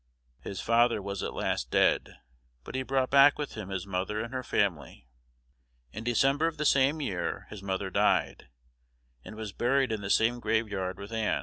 His father was at last dead; but he brought back with him his mother and her family. In December of the same year his mother died, and was buried in the same graveyard with Ann.